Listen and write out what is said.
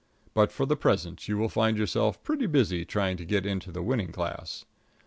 But for the present you will find yourself pretty busy trying to get into the winning class.